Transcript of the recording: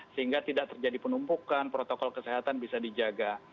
sehingga tidak terjadi penumpukan protokol kesehatan bisa dijaga